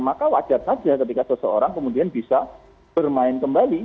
maka wajar saja ketika seseorang kemudian bisa bermain kembali